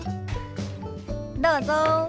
どうぞ。